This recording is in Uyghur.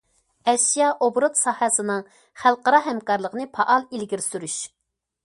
ئەشيا ئوبوروت ساھەسىنىڭ خەلقئارا ھەمكارلىقىنى پائال ئىلگىرى سۈرۈش.